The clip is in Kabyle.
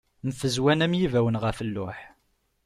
Mfezwan am yibawen ɣef lluḥ.